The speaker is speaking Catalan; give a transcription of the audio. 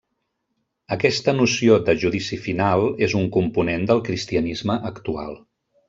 Aquesta noció de Judici Final és un component del cristianisme actual.